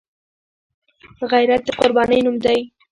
غیرت د قربانۍ نوم دی